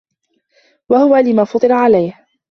وَهُوَ لِمَا فُطِرَ عَلَيْهِ